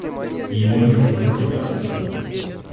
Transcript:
Его нет из-за тебя.